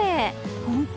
本当？